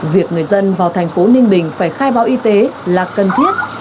việc người dân vào thành phố ninh bình phải khai báo y tế là cần thiết